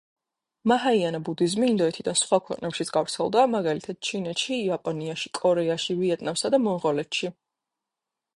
მაჰაიანა ბუდიზმი ინდოეთიდან სხვა ქვეყნებშიც გავრცელდა, მაგალითად ჩინეთში, იაპონიაში, კორეაში, ვიეტნამსა, და მონღოლეთში.